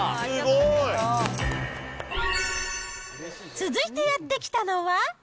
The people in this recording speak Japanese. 続いてやって来たのは。